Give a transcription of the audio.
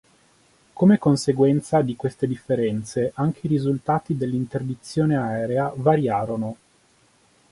Come conseguenza di queste differenze, anche i risultati dell'interdizione aerea variarono.